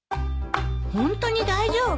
ホントに大丈夫？